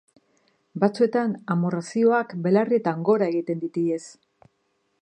Batzuetan amorrazioak belarrietan gora egiten dit ihes.